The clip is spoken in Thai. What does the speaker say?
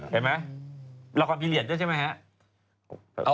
เห็นมั้ยละครพิเหลียดด้วยใช่มั้ยฮะ